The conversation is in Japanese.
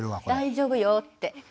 大丈夫よって。